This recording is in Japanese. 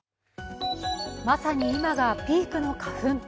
まさに今がピークの花粉。